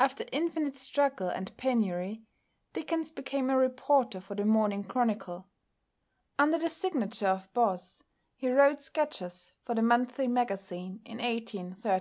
After infinite struggle and penury, Dickens became a reporter for the Morning Chronicle. Under the signature of "Boz" he wrote "Sketches" for the Monthly Magazine in 1834.